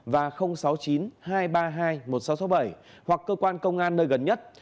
và sáu mươi chín hai trăm ba mươi hai một nghìn sáu trăm sáu mươi bảy hoặc cơ quan công an nơi gần nhất